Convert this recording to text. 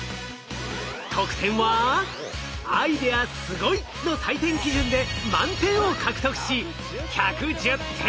得点は「アイデア」「すごい！」の採点基準で満点を獲得し１１０点。